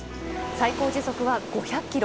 最高時速は５００キロ